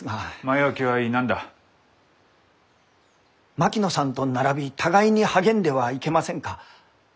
槙野さんと並び互いに励んではいけませんか？